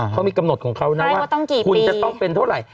เขามีกำหนดของเขานะว่าคุณจะต้องเป็นเท่าไหร่